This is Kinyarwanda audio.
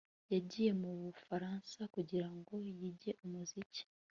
Yagiye mu Bufaransa kugira ngo yige umuziki